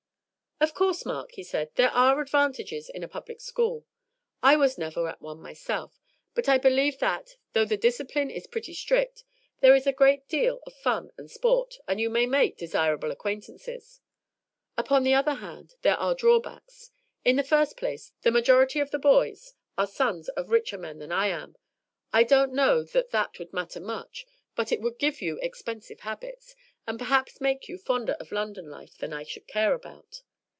"Of course, Mark," he said, "there are advantages in a public school. I was never at one myself, but I believe that, though the discipline is pretty strict, there is a great deal of fun and sport, and you may make desirable acquaintances. Upon the other hand, there are drawbacks. In the first place, the majority of the boys are sons of richer men than I am. I don't know that that would matter much, but it would give you expensive habits, and perhaps make you fonder of London life than I should care about.